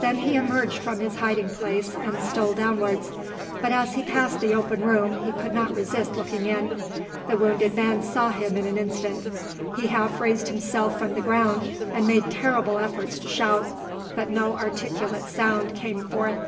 Then he emerged from his hiding place and stole downwards. But as he passed the open room he could not resist looking in. The wounded man saw him in an instant. He half raised himself from the ground and made terrible efforts to shout; but no articulate sound came forth.